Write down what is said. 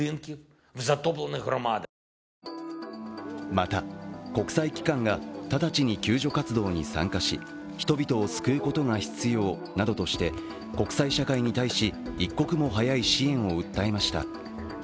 また、国際機関が直ちに救助活動に参加し人々を救うことが必要などとして国際社会に対し一刻も早い支援を訴えました。